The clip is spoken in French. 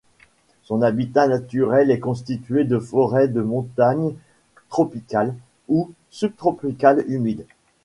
Son habitat naturel est constitué de forêts de montagne tropicales ou subtropicales humides.